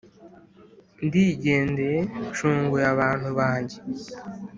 ndigendeye ncunguye abantu banjye.